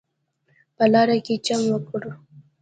په لاره کې چم وکړ.